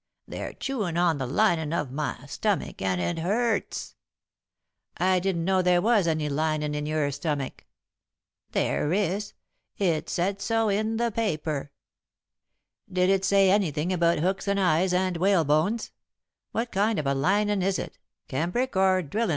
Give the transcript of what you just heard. They're chewing on the linin' of my stomach, and it hurts." [Sidenote: What's the Matter?] "I didn't know there was any linin' in your stomach." "There is. It said so in the paper." "Did it say anything about hooks and eyes and whalebones? What kind of a linin' is it cambric, or drillin'?"